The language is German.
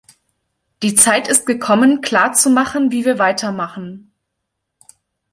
Die Zeit ist gekommen, klarzumachen, wie wir weitermachen.